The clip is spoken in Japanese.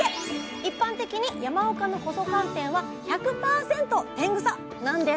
一般的に山岡の細寒天は１００％天草なんです